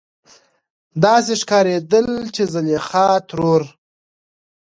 داسې ښکارېدل چې زليخا ترور